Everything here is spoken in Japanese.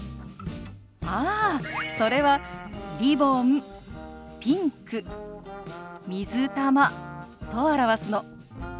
ああそれは「リボン」「ピンク」「水玉」と表すの。